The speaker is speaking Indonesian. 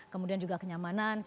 kemudian juga kenyamanan